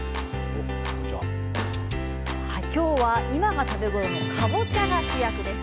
今日は今が食べ頃のかぼちゃが主役です。